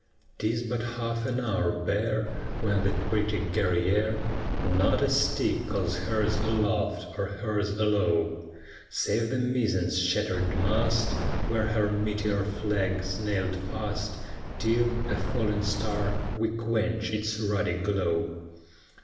'Tis but half an hour, bare, When that pretty Guerrière Not a stick calls hers aloft or hers alow, Save the mizzen's shattered mast, Where her "meteor flag" 's nailed fast Till, a fallen star, we quench its ruddy glow.